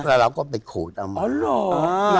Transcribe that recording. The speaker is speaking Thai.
แล้วเราก็ไปขูดเอามาหรอ